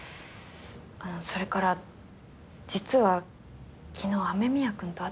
それから実は昨日雨宮くんと会ってたの。